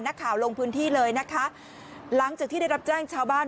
ลงพื้นที่เลยนะคะหลังจากที่ได้รับแจ้งชาวบ้าน